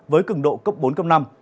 với cứng độ cấp bốn cấp năm